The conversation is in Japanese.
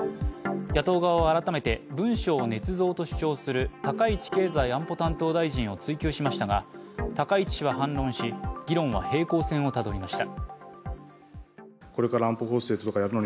野党側は改めて文書をねつ造と主張する高市経済安保担当大臣を追及しましたが、高市氏は反論し議論は平行線をたどりました。